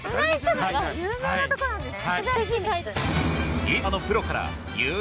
有名なとこなんですね。